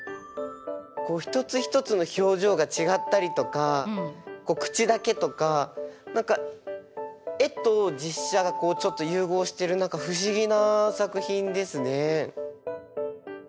一つ一つの表情が違ったりとか口だけとか何か絵と実写がちょっと融合してる何か不思議な作品ですね。